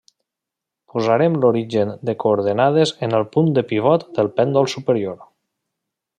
Posarem l'origen de coordenades en el punt de pivot del pèndol superior.